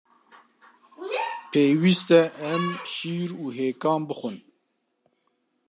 Pêwîst e em şîr û hêkan bixwin.